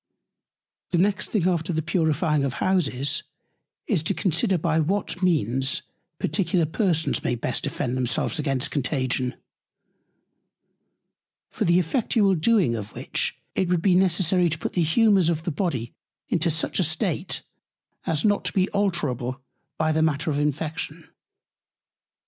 The next thing after the purifying of Houses, is to consider by what Means particular Persons may best defend themselves against Contagion; for the effectual doing of which it would be necessary to put the Humours of the Body into such a State, as not to be alterable by the Matter of Infection.